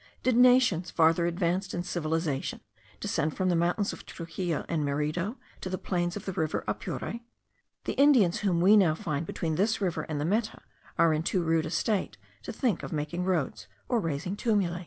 Did nations farther advanced in civilization descend from the mountains of Truxillo and Merido to the plains of the Rio Apure? The Indians whom we now find between this river and the Meta, are in too rude a state to think of making roads or raising tumuli.